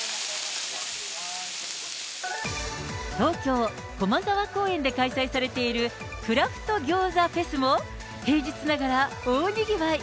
東京・駒沢公園で開催されているクラフト餃子フェスも、平日ながら大にぎわい。